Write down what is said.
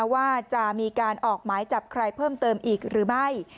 ว่าจะมีการออกหมายจับใครเพิ่มเติมอีกหรือไม่